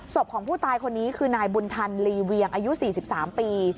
ของผู้ตายคนนี้คือนายบุญธันลีเวียงอายุ๔๓ปี